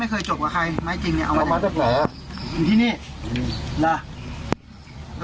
อ๋อไม่เคยจบกับใครไม้จริงเนี้ยเอามาจากไหนอ่ะอันที่นี่อืม